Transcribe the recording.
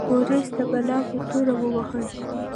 بوریس د بلا په توره وواهه.